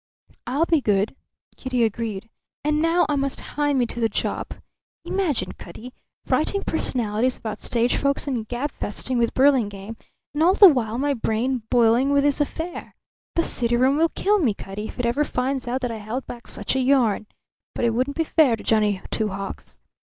"I'll be good," Kitty agreed. "And now I must hie me to the job. Imagine, Cutty! writing personalities about stage folks and gabfesting with Burlingame and all the while my brain boiling with this affair! The city room will kill me, Cutty, if it ever finds out that I held back such a yarn. But it wouldn't be fair to Johnny Two Hawks.